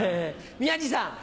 宮治さん。